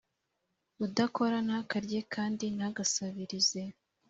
udakora ntakarye kandi ntagasabirize